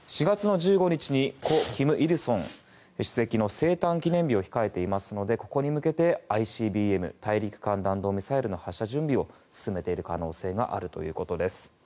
４月１５日に故・金日成主席の生誕記念日を控えていますのでここへ向けてＩＣＢＭ・大陸間弾道ミサイルの発射準備を進めている可能性があるということです。